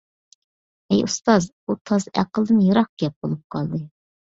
ھەي ئۇستاز، بۇ تازا ئەقىلدىن يىراق گەپ بولۇپ قالدى.